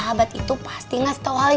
harus tetap rajin belajar